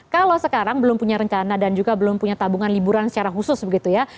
kalau sekarang belum punya rencana dan juga belum punya tabungan liburan secara khusus begitu ya